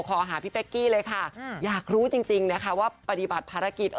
ค่ะค้าพิเฟ๊กกี้เลยค่ะอยากรู้จริงจริงนะคะว่าปฏิบัติภารกิจ